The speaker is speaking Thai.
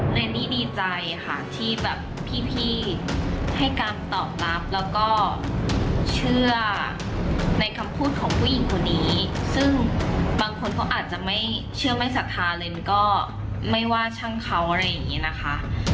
เนนี่ดีใจค่ะที่แบบพี่ให้การตอบรับแล้วก็เชื่อในคำพูดของผู้หญิงคนนี้ซึ่งบางคนเขาอาจจะไม่เชื่อไม่ศรัทธาเลนก็ไม่ว่าช่างเขาอะไรอย่างนี้นะคะ